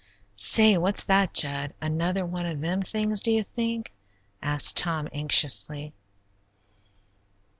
"Say, what's that, Jud? Another one of them things, do you think?" asked Tom, anxiously.